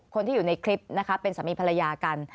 คนที่อยู่ในคลิปนะคะเป็นสามีภรรยากัน